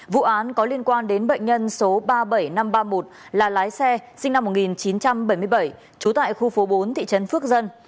vụ án có liên quan đến bệnh nhân số ba mươi bảy nghìn năm trăm ba mươi một là lái xe sinh năm một nghìn chín trăm bảy mươi bảy trú tại khu phố bốn thị trấn phước dân